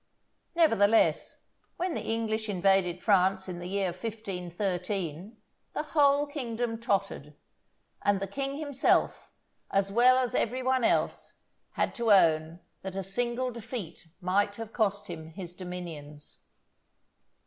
Nevertheless, when the English invaded France in the year 1513, the whole kingdom tottered; and the King himself, as well as every one else, had to own that a single defeat might have cost him his dominions.